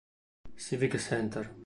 Civic Center